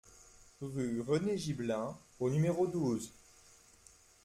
Rue René Gibelin au numéro douze